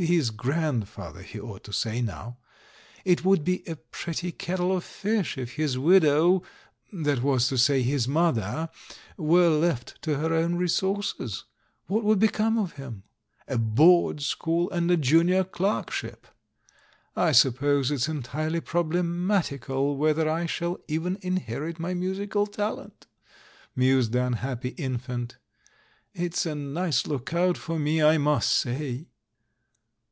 — his "grandfather," he ought to say now! It would be a pretty kettle of fish if his widow — that was to say his "mother" — were left to her own resources. What would become of him? A board school, and a junior clerkship! "I suppose it's entirely problematical whether I shall even inherit my musical talent?" mused the unhappy infant. "It's a nice lookout for me, I must say!"